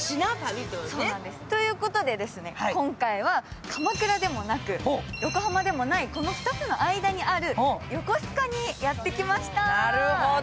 ということで、今回は鎌倉でもなく横浜でもない、この２の間にある横須賀にやってきました。